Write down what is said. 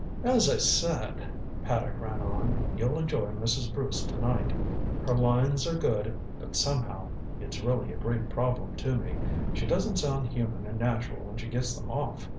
"As I said," Paddock ran on, "you'll enjoy Mrs. Bruce to night. Her lines are good, but somehow it's really a great problem to me she doesn't sound human and natural when she gets them off.